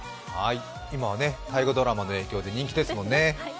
今は大河ドラマの影響で人気ですよね。